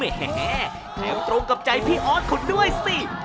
แถวตรงกับใจพี่อ๊อตของด้วยสิ